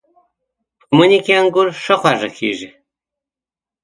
په مني کې انګور ښه خواږه کېږي.